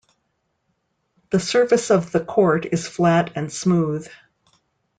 The surface of the court is flat and smooth.